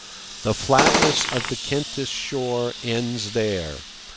The flatness of the Kentish shore ends there.